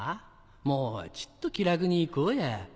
もうちっと気楽に行こうや。